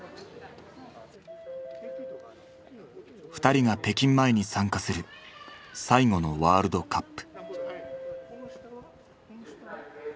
２人が北京前に参加する最後のワールドカップ。